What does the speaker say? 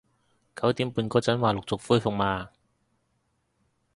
九點半嗰陣話陸續恢復嘛